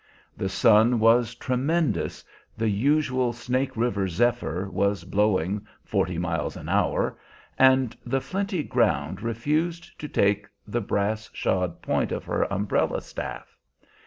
The sun was tremendous, the usual Snake River zephyr was blowing forty miles an hour, and the flinty ground refused to take the brass shod point of her umbrella staff.